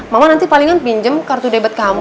mamah nanti palingan pinjem kartu debit kamu